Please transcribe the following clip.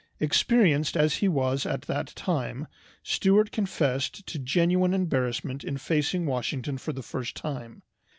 Experienced as he was at that time, Stuart confessed to genuine embarrassment in facing Washington for the first time.